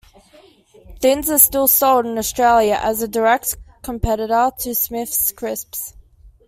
Thins is still sold in Australia as a direct competitor to Smith's Crisps.